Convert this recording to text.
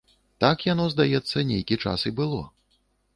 Так яно, здаецца, нейкі час і было.